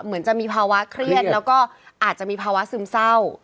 เหมือนจะมีภาวะเครียดแล้วก็อาจจะมีภาวะซึมเศร้า